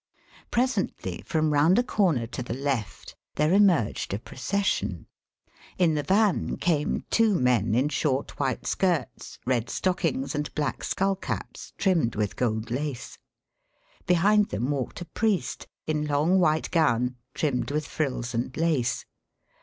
Presently, from round a corner to the left, there emerged a procession. In the van came two men, in short white skirts, red stockings^ and black skull caps trimmed with gold lace. Behind them walked a priest, in long white gown, trimmed with frills and lace.